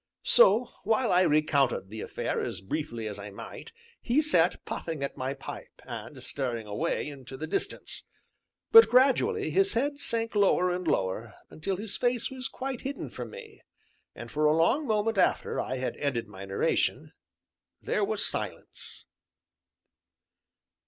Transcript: So, while I recounted the affair as briefly as I might, he sat puffing at my pipe, and staring away into the distance. But gradually his head sank lower and lower, until his face was quite hidden from me, and for a long moment after I had ended my narration, there was silence.